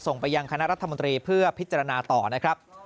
ไปยังคณะรัฐมนตรีเพื่อพิจารณาต่อนะครับ